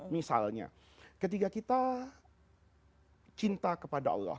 misalnya ketika kita cinta kepada allah